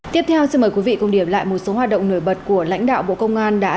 tiếp theo xin mời quý vị cùng điểm lại một số hoạt động nổi bật của lãnh đạo bộ công an đã diễn ra trong tuần